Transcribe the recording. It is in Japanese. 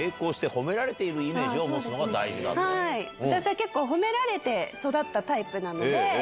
私は褒められて育ったタイプなので。